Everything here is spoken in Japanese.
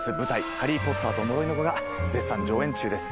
「ハリー・ポッターと呪いの子」が絶賛上演中です